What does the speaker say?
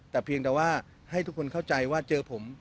แต่เพียงแต่ว่าให้ทุกคนเข้าใจว่าเจอผม